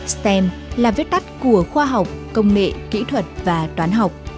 stem là vết tắt của khoa học công nghệ kỹ thuật và toán học